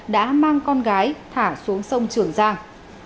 đã mang con gái thả xuống sông trường giang